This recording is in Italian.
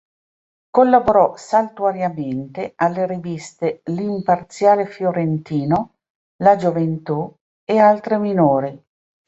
Collaborò saltuariamente alle riviste l'"Imparziale fiorentino", "La Gioventù" e altre minori.